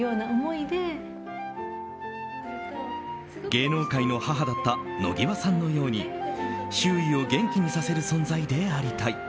芸能界の母だった野際さんのように周囲を元気にさせる存在でありたい。